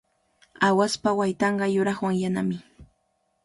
Aawaspa waytanqa yuraqwan yanami.